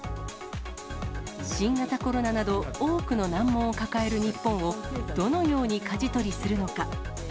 新型コロナなど多くの難問を抱える日本を、どのようにかじ取りするのか。